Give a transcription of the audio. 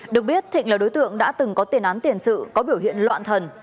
được biết thịnh là đối tượng đã từng có tiền án tiền sự có biểu hiện loạn thần